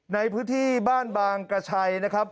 ในพื้นที่บ้านบางกระชัยนะครับ